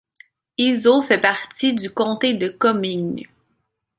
Izaut faisait partie du comté de Comminges.